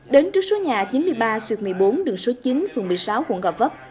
đến trước số nhà chín mươi ba xuyệt một mươi bốn đường số chín phường một mươi sáu quận gò vấp